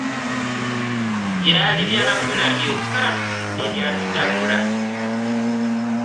Byali byanfuna byokka bye byatutabula.